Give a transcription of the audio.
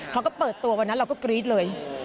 เขาก็เปิดตัววันนั้นเราก็กรี๊ดเลย